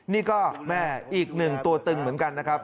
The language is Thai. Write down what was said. นี่ก็แม่อีกหนึ่งตัวตึงเหมือนกันนะครับ